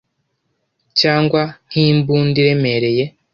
cyangwa nkimbunda iremereye